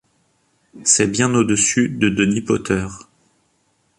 C'est bien au-dessus de Dennis Potter.